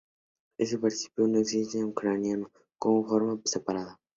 Este participio no existe en ucraniano como forma separada.